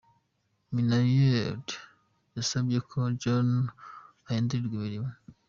Minnaert yasabye ko Jannot ahindurirwa imirimo.